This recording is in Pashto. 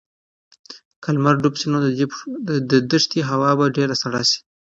که لمر ډوب شي نو د دې دښتې هوا به ډېره سړه شي.